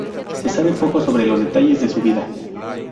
Se sabe poco sobre los detalles de su vida.